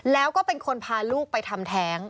แล้วก็ผ่านลูกไปทำแท้ง